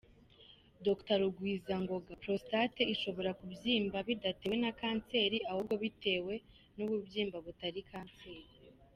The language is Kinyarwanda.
Dr Rugwizangoga: Prostate ishobora kubyimba bidatewe na kanseri, ahubwo bitewe n’ububyimba butari kanseri.